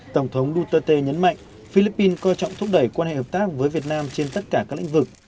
tổng thống duterte nhấn mạnh philippines coi trọng thúc đẩy quan hệ hợp tác với việt nam trên tất cả các lĩnh vực